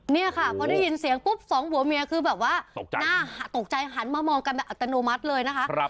นี่ค่ะพอได้ยินเสียงปุ๊บสองผัวเมียคือแบบว่าน่าตกใจหันมามองกันแบบอัตโนมัติเลยนะคะ